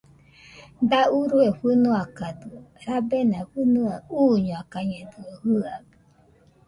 Da urue fɨnoakadɨo, rabena fɨnua uñoiakañedɨo jɨaɨ